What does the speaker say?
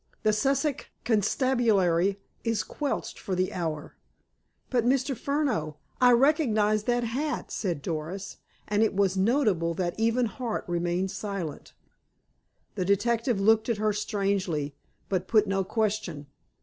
"The Sussex constabulary is quelled for the hour." "But, Mr. Furneaux, I recognize that hat!" said Doris, and it was notable that even Hart remained silent. The detective looked at her strangely, but put no question.